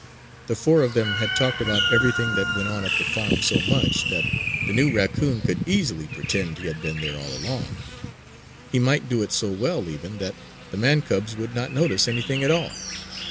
The four of them had talked about everything that went on at the farm so much, that the new raccoon could easily pretend he had been there all along. He might do it so well even, that the man cubs would not notice anything at all.